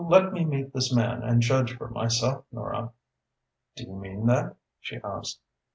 "Let me meet this man and judge for myself, Nora." "Do you mean that?" she asked.